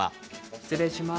失礼します。